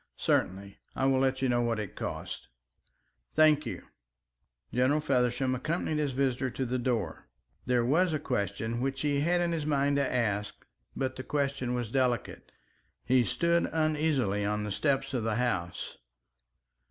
"Certainly. I will let you know what it costs." "Thank you." General Feversham accompanied his visitor to the door. There was a question which he had it in his mind to ask, but the question was delicate. He stood uneasily on the steps of the house.